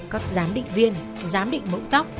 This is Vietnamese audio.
các giám định viên giám định mẫu tóc